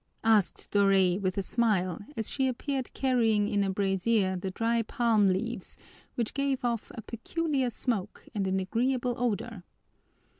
asked Doray with a smile, as she appeared carrying in a brazier the dry palm leaves, which gave off a peculiar smoke and an agreeable odor.